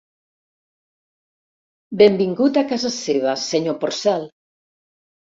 Benvingut a casa seva, senyor Porcel.